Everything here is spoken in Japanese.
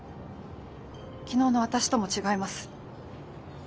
昨日の私とも違います。